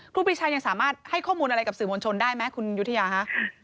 ครูปีชายังสามารถให้ข้อมูลอะไรกับสื่อมวลชนได้ไหมคุณยุธยาคะ